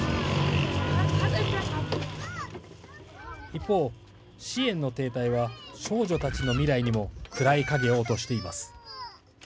一方、支援の停滞は少女たちの未来にも暗い影を落としています。